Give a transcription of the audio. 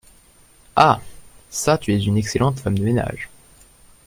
Ah ! çà, tu es une excellente femme de ménage.